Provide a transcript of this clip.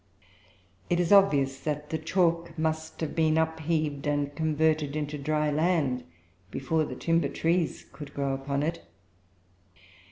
It is obvious that the chalk must have been upheaved and converted into dry land, before the timber trees could grow upon it.